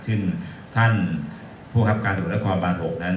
ที่ท่านผู้ครับการอุตความบ้าน๖นั้น